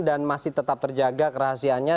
dan masih tetap terjaga kerahasianya